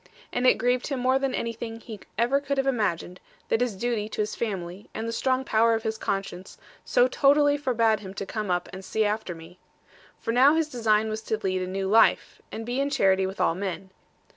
And it grieved him more than anything he ever could have imagined, that his duty to his family, and the strong power of his conscience, so totally forbade him to come up and see after me. For now his design was to lead a new life, and be in charity with all men.